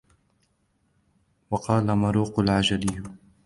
وَقَالَ مُوَرِّقٌ الْعِجْلِيُّ